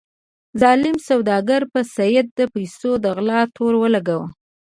ظالم سوداګر په سید د پیسو د غلا تور ولګاوه.